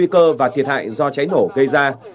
cơ và thiệt hại do cháy nổ gây ra